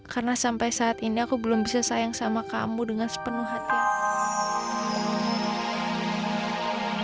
karena sampai saat ini aku belum bisa sayang sama kamu dengan sepenuh hati aku